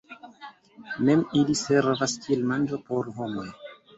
Mem ili servas kiel manĝo por homoj.